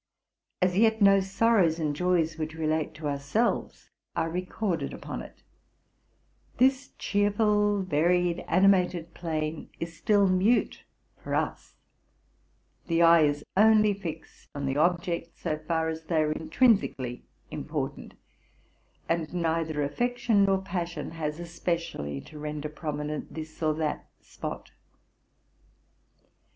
As yet no sorrows and joys which relate to ourselves are recorded upon it; this cheerful, varied, animated plain is still mute for us; the eye is only fixed on the objects so far as they are intrinsically important, and neither affection nor passion has especially to render prominent this or that spot.